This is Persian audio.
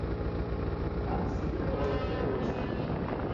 تاءثیر بارز گرسنگی